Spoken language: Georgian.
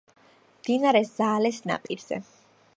მდინარე ზაალეს ნაპირზე.